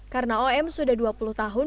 karena om sudah dua puluh tahun